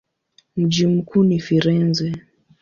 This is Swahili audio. Mji mkuu ni Firenze.